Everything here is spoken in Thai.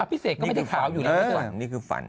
อัพพี่เศกก็ไม่ได้ข่าวอยู่ในนี้หรอนี่คือฝัน